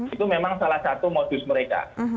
itu memang salah satu modus mereka